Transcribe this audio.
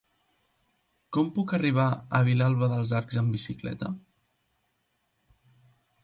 Com puc arribar a Vilalba dels Arcs amb bicicleta?